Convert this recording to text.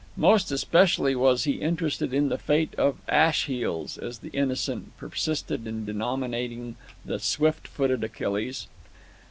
Most especially was he interested in the fate of "Ash heels," as the Innocent persisted in denominating the "swift footed Achilles."